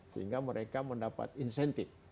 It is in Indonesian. sehingga mereka mendapat insentif